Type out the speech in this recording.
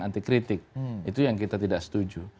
antikritik itu yang kita tidak setuju